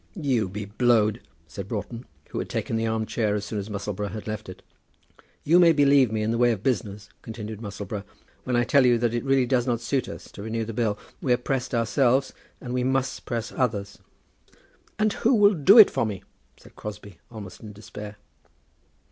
"You be blowed," said Broughton, who had taken the arm chair as soon as Musselboro had left it. "But you may believe me in the way of business," continued Musselboro, "when I tell you that it really does not suit us to renew the bill. We're pressed ourselves, and we must press others." "And who will do it for me?" said Crosbie, almost in despair.